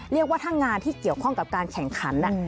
เรียกว่าถ้างานที่เกี่ยวข้องกับการแข่งขัน